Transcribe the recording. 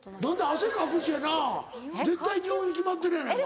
汗かくしやな絶対におうに決まってるやないか。